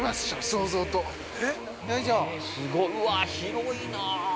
◆うわあ、広いなぁ。